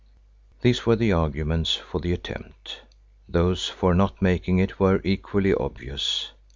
These were the arguments for the attempt. Those for not making it were equally obvious.